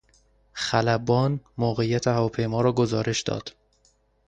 خلبان موقعیت هواپیما را گزارش داد.